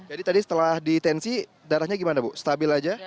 jadi tadi setelah ditensi darahnya gimana bu stabil aja